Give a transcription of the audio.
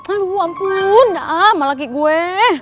aduh ampun ah malaki gue